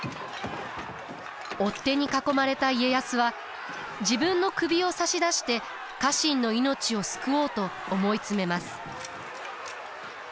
追っ手に囲まれた家康は自分の首を差し出して家臣の命を救おうと思い詰めます。